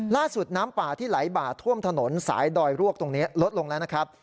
น้ำป่าที่ไหลบ่าท่วมถนนสายดอยรวกตรงนี้ลดลงแล้วนะครับ